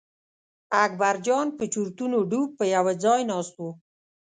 اکبرجان په چورتونو کې ډوب په یوه ځای ناست و.